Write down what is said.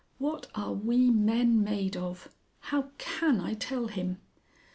What are we men made of?... How can I tell him?"